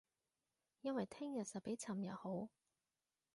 因為聼日實比尋日好